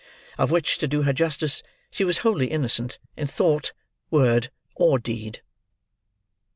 Of which, to do her justice, she was wholly innocent, in thought, word, or deed.